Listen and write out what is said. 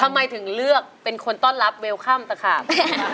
ทำไมถึงเลือกเป็นคนต้อนรับเวลค่ำตะขาบ